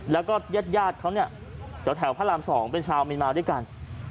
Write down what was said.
แล้วก็ญาติเขาเนี่ยแถวพระราม๒เป็นชาวเมียนมาด้วยกัน